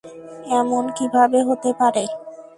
এমন কীভাবে হতে পারে?